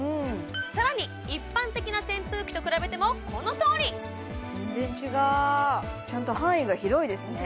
更に一般的な扇風機と比べてもこのとおり全然違うちゃんと範囲が広いですね